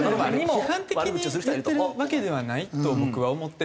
批判的に言ってるわけではないと僕は思ってて。